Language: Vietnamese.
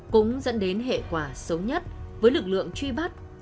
cũng dẫn đến hệ quả xấu nhất với lực lượng truy bắt